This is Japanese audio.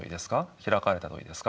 開かれた問いですか？